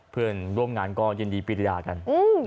เพื่อนร่วมงานก็ยินดีปีริยากัน